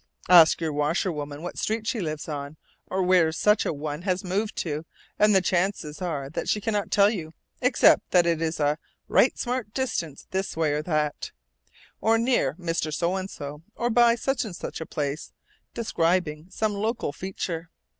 Ask your washerwoman what street she lives on, or where such a one has moved to, and the chances are that she cannot tell you, except that it is a "right smart distance" this way or that, or near Mr. So and so, or by such and such a place, describing some local feature.